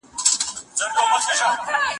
د پاروپامیزاد په لمنو کې